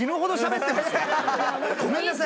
ごめんなさい。